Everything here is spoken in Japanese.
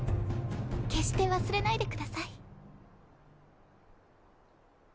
決して忘れないでください。